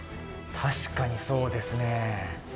確かにそうですね